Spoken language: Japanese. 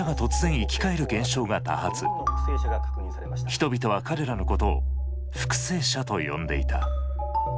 人々は彼らのことを復生者と呼んでいた。